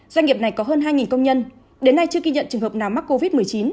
doanh nghiệp này có hơn hai công nhân đến nay chưa ghi nhận trường hợp nào mắc covid một mươi chín